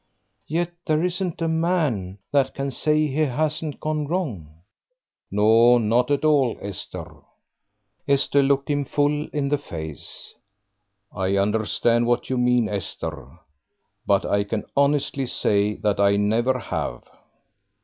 "Yet there isn't a man that can say he hasn't gone wrong." "No, not all, Esther." Esther looked him full in the face. "I understand what you mean, Esther, but I can honestly say that I never have."